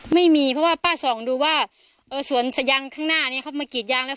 ไม่มีเพราะว่าป้าส่องดูว่าเออสวนสยางข้างหน้านี้เขามากรีดยางแล้ว